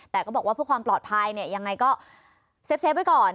แต่ก็บอกว่าเพื่อความปลอดภัยเนี่ยยังไงก็เซฟไว้ก่อน